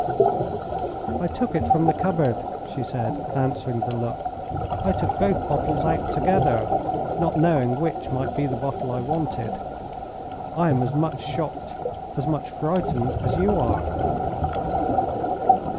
"I took it from the cupboard," she said, answering the look. "I took both bottles out together, not knowing which might be the bottle I wanted. I am as much shocked, as much frightened, as you are."